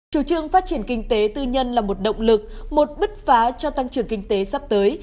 chủ trương phát triển kinh tế tư nhân là một động lực một bứt phá cho tăng trưởng kinh tế sắp tới